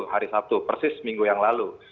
hari sabtu persis minggu yang lalu